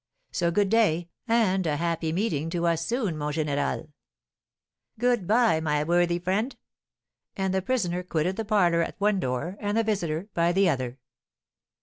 So good day, and a happy meeting to us soon, mon général." "Good bye, my worthy friend!" And the prisoner quitted the parlour at one door, and the visitor by the other.